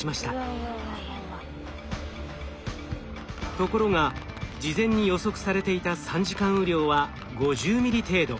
ところが事前に予測されていた３時間雨量は５０ミリ程度。